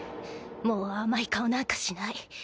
もう甘い顔なんかしない。